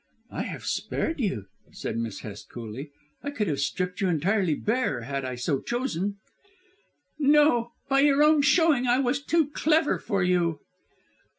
"I have spared you," said Miss Hest coolly. "I could have stripped you entirely bare had I so chosen." "No. By your own showing I was too clever for you."